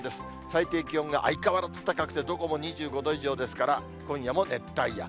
最低気温が相変わらず高くて、どこも２５度以上ですから、今夜も熱帯夜。